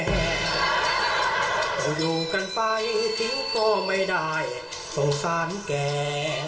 อยู่กันไปถึงก็ไม่ได้สงสารแก